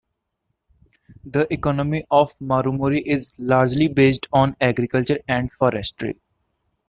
The economy of Marumori is largely based on agriculture and forestry.